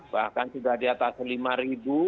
bahkan sudah di atas rp lima